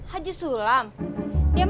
pak haji sulam